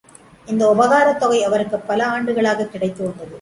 இந்த உபகாரத் தொகை அவருக்குப் பல ஆண்டுகளாகக் கிடைத்து வந்தது.